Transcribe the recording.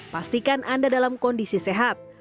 pastikan anda dalam kondisi sehat